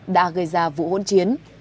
đã gây ra vụ hỗn chiến